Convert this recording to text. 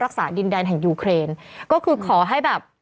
ดินแดนแห่งยูเครนก็คือขอให้แบบ